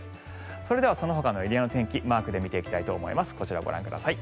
それではそのほかのエリアの天気をマークで見ていきたいと思います。